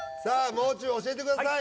もう中教えてください